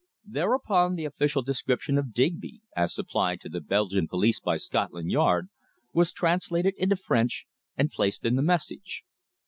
Thereupon the official description of Digby, as supplied to the Belgian police by Scotland Yard, was translated into French and placed in the message.